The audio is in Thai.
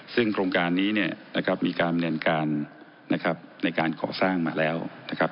ซึ่งโครงการนี้เนี่ยนะครับมีการดำเนินการนะครับในการก่อสร้างมาแล้วนะครับ